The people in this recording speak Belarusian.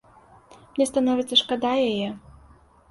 Мне становіцца шкада яе.